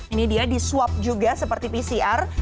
ini dia di swab juga seperti pcr